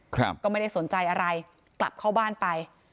ครับก็ไม่ได้สนใจอะไรกลับเข้าบ้านไป